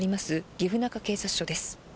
岐阜中警察署です。